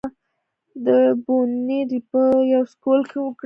د بونېر پۀ يو سکول کښې وکړې